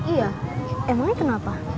iya emangnya kenapa